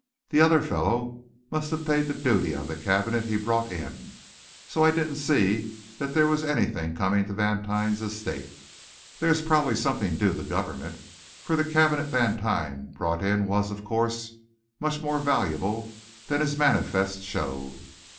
The other fellow must have paid the duty on the cabinet he brought in; so I didn't see that there was anything coming to Vantine's estate. There is probably something due the government, for the cabinet Vantine brought in was, of course, much more valuable than his manifest showed."